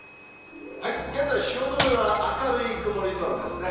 現在、汐留は明るい曇り空ですね。